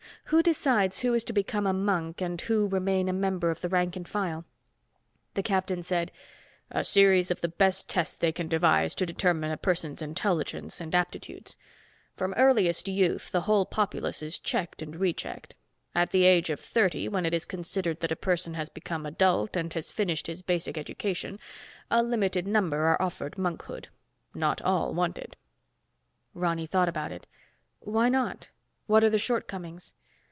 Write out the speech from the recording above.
Who decides who is to become a monk and who remain a member of the rank and file?" The captain said, "A series of the best tests they can devise to determine a person's intelligence and aptitudes. From earliest youth, the whole populace is checked and rechecked. At the age of thirty, when it is considered that a person has become adult and has finished his basic education, a limited number are offered monkhood. Not all want it." Ronny thought about it. "Why not? What are the shortcomings?"